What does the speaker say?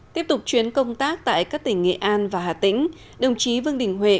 tiếp tục chuyến công tác tại các tỉnh nghệ an và hà tĩnh đồng chí vương đình huệ